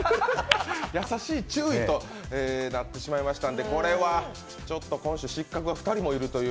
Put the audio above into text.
優しい注意となってしまいましたんでこれは今週、失格が２人もいるという。